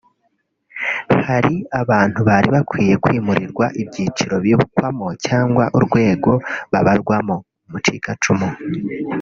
Hari abantu bari bakwiye kwimurirwa ibyiciro bibukwamo cyangwa urwego babarwamo ( Umucikacumu